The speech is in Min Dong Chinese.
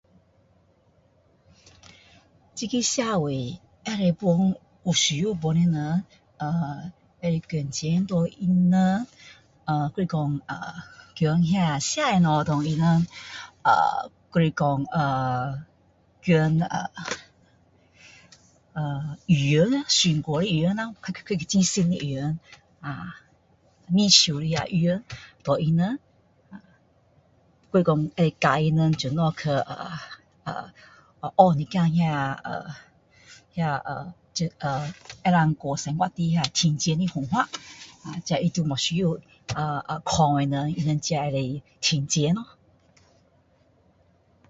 这个社会，可以帮有需要帮的人，[err】可以捐钱给他们，[ehh]还是讲[ehh]捐那吃的物给他们，[ahh] 还是讲[ehh]捐[ehh][ehh]衣服啦，穿过的衣服咯， [unintelligible] 很新的衣服，[ahh] 二手的那衣服给他们[ehh]，或者讲能教他们怎样[ehh]学一点[ehh]那[ehh]那[ehh]那[ehh]能够过生活的赚钱的方法，[ehh]那他就[ehh]没需要[ehh][ehh]靠我们，他们自己可以赚钱咯。